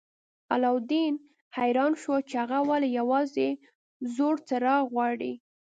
علاوالدین حیران شو چې هغه ولې یوازې زوړ څراغ غواړي.